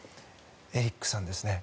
エリックさんですね。